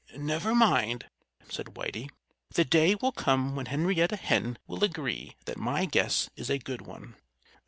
"Never mind!" said Whitey. "The day will come when Henrietta Hen will agree that my guess is a good one."